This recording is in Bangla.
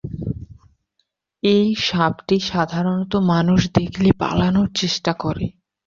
এই সাপটি সাধারনত মানুষ দেখলে পালানোর চেষ্টা করে।